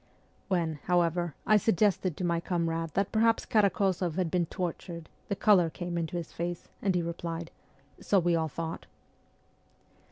When, however, I suggested to my comrade that perhaps Karak6zoff had been tortured the colour came into his face, and he replied, ' So we all thought.'